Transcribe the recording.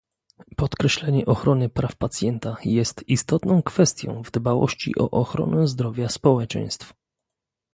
Podkreślenie ochrony praw pacjenta jest istotną kwestią w dbałości o ochronę zdrowia społeczeństw